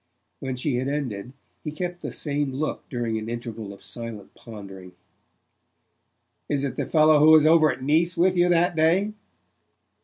When she had ended he kept the same look during an interval of silent pondering. "Is it the fellow who was over at Nice with you that day?"